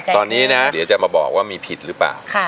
ตอนนี้นะเดี๋ยวจะมาบอกว่ามีผิดหรือเปล่า